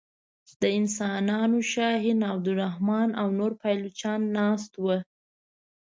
د انسانانو شهین عبدالرحمن او نور پایلوچان ناست وه.